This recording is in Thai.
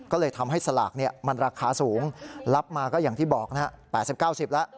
ก็เลยทำให้สลากมันราคาสูงรับมาก็อย่างที่บอก๘๐๙๐แล้ว